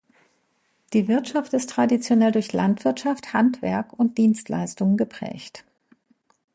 Die Wirtschaft ist traditionell durch Landwirtschaft, Handwerk und Dienstleistungen geprägt.